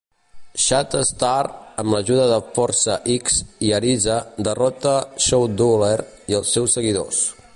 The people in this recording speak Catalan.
Shatterstar, amb l'ajuda de Força-X i Arize, derrota Scheduler i els seus seguidors.